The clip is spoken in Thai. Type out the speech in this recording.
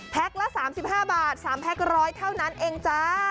แพ็คละสามสิบห้าบาทสามแพ็คร้อยเท่านั้นเองจ้า